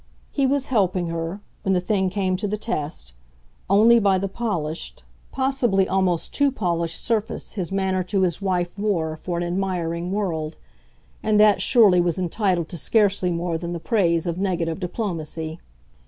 He was helping her, when the thing came to the test, only by the polished, possibly almost too polished surface his manner to his wife wore for an admiring world; and that, surely, was entitled to scarcely more than the praise of negative diplomacy.